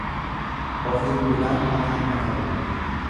Ofiin bulaa mataan lafa bula.